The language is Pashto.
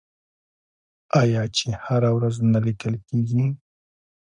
آیا چې هره ورځ نه لیکل کیږي؟